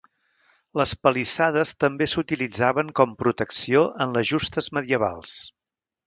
Les palissades també s'utilitzaven com protecció en les justes medievals.